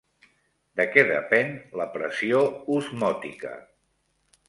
De què depèn la pressió osmòtica?